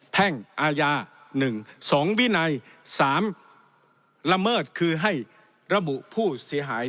แพ่งอาญา๑๒วินัย๓ละเมิดคือให้ระบุผู้เสียหาย